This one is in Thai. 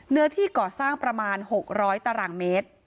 เนื้อที่ก่อสร้างประมาณ๖๐๐ตรม